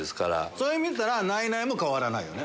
それ見てたらナイナイも変わらないよね。